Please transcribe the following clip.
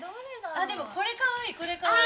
あでもこれかわいいこれかわいい。